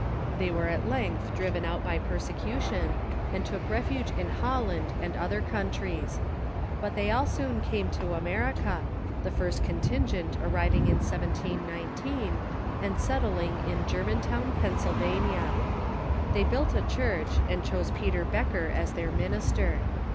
They were at length driven out by per secution, and took refuge in Holland and other countries. But they all soon came to America, the first contingent arriving in 1719, and settling in Germantown, Pennsylvania. They built a church, and chose Peter Becker as their minister.